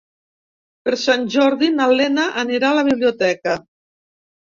Per Sant Jordi na Lena anirà a la biblioteca.